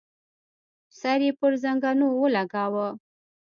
سر يې پر زنګنو ولګاوه.